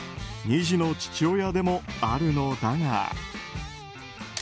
２児の父親でもあるのだが。